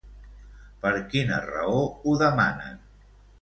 Per quina raó ho demanen?